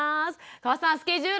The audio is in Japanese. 河さんスケジュール